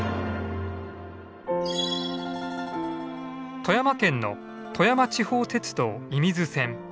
富山県の富山地方鉄道射水線。